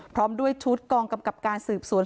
พร้อมด้วยชุดกองกำกับการสืบสวน